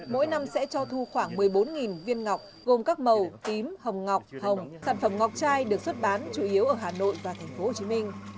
sản phẩm ngọc chai được xuất bán chủ yếu ở hà nội và tp hcm